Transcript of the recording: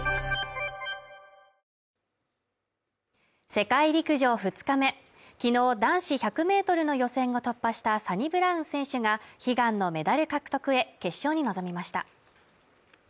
世界陸上２日目昨日男子１００ｍの予選が突破したサニブラウン選手が悲願のメダル獲得へ決勝に臨みました